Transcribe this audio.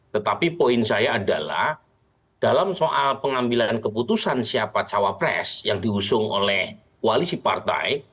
tetapi poin saya adalah dalam soal pengambilan keputusan siapa cawapres yang diusung oleh koalisi partai